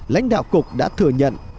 lãnh đạo cục đã thừa nhận